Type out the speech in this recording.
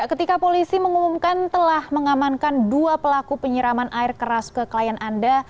ketika polisi mengumumkan telah mengamankan dua pelaku penyiraman air keras ke klien anda